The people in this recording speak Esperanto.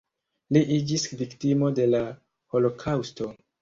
Li iĝis viktimo de la holokaŭsto.